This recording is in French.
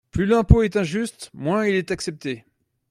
Plus l’impôt est injuste, moins il est accepté.